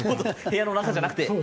部屋の中じゃなくて。